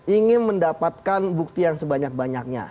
ingin mendapatkan bukti yang sebanyak banyaknya